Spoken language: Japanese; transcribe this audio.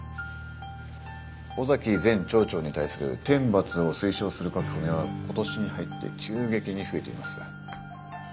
「尾崎前町長に対する天罰を推奨する書き込みは今年に入って急激に増えています」